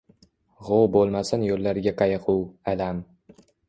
G‘ov bo‘lmasin yo‘llariga qayg‘u, alam.